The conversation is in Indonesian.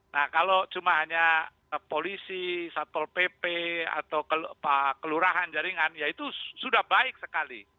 nah kalau cuma hanya polisi satpol pp atau kelurahan jaringan ya itu sudah baik sekali